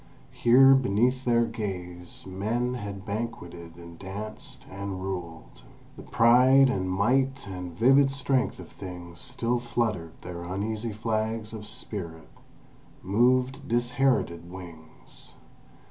Here, beneath their gaze, men had banqueted and danced and ruled. The pride and might and vivid strength of things still fluttered their uneasy flags of spirit, moved disherited wings!